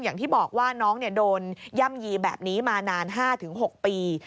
อย่างที่บอกว่าน้องโดนย่ำยีแบบนี้มานาน๕๖ปี